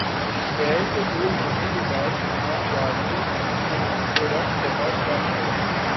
شہر سے دور ہونے کے باعث یہاں گاڑیوں کی آمدورفت بہت کم ہے